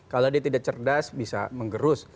kalau dia tidak cerdas bisa mengerus